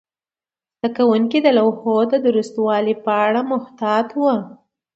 زده کوونکي د لوحو د درستوالي په اړه محتاط وو.